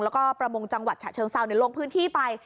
แล้วก็ประมงจังหวัดฉะเชิงเซาลงพื้นที่ไป